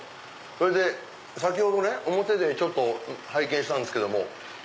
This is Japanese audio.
それで先ほどね表で拝見したんですけども。